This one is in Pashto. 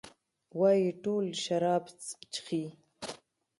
وايي ټول شراب چښي.